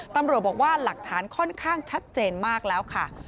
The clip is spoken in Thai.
ตำรวจบอกว่าหลักฐานค่อนข้างชัดเจนมากแล้วค่ะ